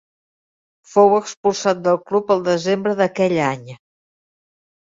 Fou expulsat del club el desembre d'aquell any.